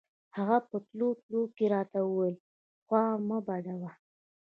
هغه په تلو تلو کښې راته وويل خوا مه بدوه.